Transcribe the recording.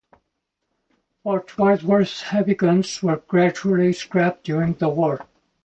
Fort Wadsworth's heavy guns were gradually scrapped during the war.